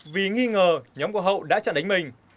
vì nghi ngờ nhóm của hậu đã chặn đánh mình